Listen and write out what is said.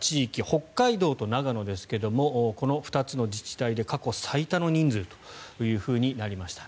北海道と長野ですがこの２つの自治体で過去最多の人数となりました。